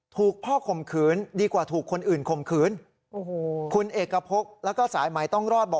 ถูกพ่อข่มขืนดีกว่าถูกคนอื่นข่มขืนโอ้โหคุณเอกพบแล้วก็สายใหม่ต้องรอดบอก